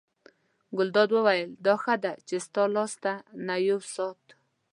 ګلداد وویل: دا ښه دی چې ستا لاس ته نه یو ناست.